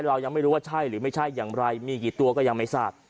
เรายังไม่รู้ว่าใช่หรือไม่ใช่อย่างไรมีกี่ตัวก็ยังไม่ทราบ